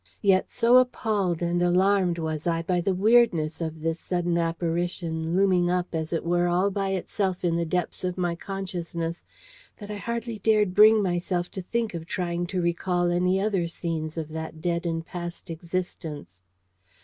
Yet so appalled and alarmed was I by the weirdness of this sudden apparition, looming up, as it were, all by itself in the depths of my consciousness, that I hardly dared bring myself to think of trying to recall any other scenes of that dead and past existence.